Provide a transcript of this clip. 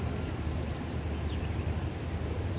asal sekolah sma negeri dua puluh dua